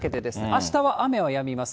あしたは雨はやみます。